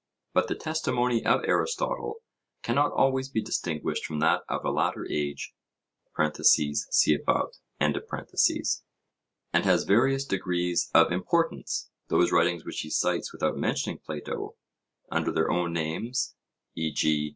But the testimony of Aristotle cannot always be distinguished from that of a later age (see above); and has various degrees of importance. Those writings which he cites without mentioning Plato, under their own names, e.g.